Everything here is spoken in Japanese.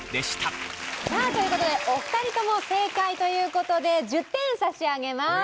さあという事でお二人とも正解という事で１０点差し上げます。